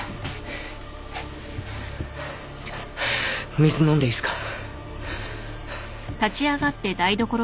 水飲んでいいっすか？